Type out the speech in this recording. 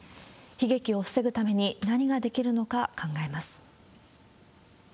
悲劇を防ぐために、何ができるのか考えます。